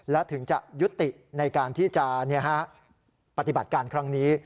และถึงจะยุติในการที่จะปฏิบัติการครั้งนี้